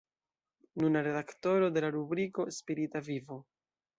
Nuna redaktoro de la rubriko Spirita Vivo.